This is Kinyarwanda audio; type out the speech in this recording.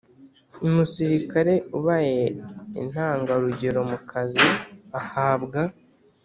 Umusirikare ubaye intangarugero mu kazi ahabwa